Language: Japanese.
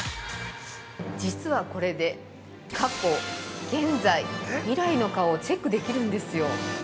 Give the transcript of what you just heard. ◆実はこれで過去・現在・未来の顔をチェックできるんですよ。